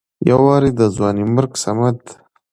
يو وارې د ځوانيمرګ صمد